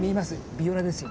ビオラですよ。